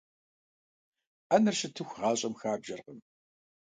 Ӏэнэр щытыху, гъащӀэм хабжэркъым.